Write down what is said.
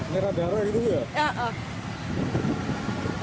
merah darah itu ya